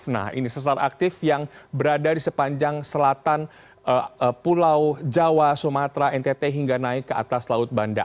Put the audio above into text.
nah ini sesar aktif yang berada di sepanjang selatan pulau jawa sumatera ntt hingga naik ke atas laut banda